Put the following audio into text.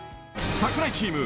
櫻井チーム